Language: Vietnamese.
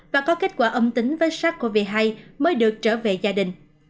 và có kết quả âm tính với sars cov hai mới được trở về gia đình